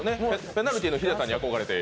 ペナルティのヒデさんに憧れて。